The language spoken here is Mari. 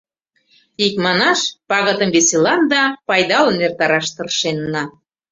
Икманаш, пагытым веселан да пайдалын эртараш тыршенна.